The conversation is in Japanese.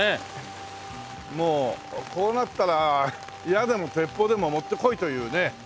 もうこうなったら矢でも鉄砲でも持ってこいというね。